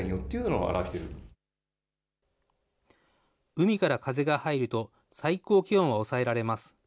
海から風が入ると、最高気温は抑えられます。